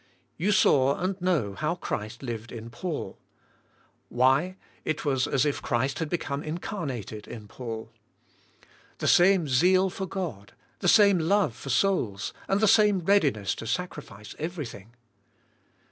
You saw and know how Christ lived in Paul. Why, it was as if Christ had become incarnated in Paul. The same zeal for God, same love for souls, and same readiness to sacrifice everything.